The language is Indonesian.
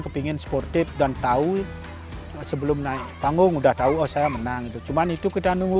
kepingin sportif dan tahu sebelum naik panggung udah tahu oh saya menang itu cuman itu kita nunggu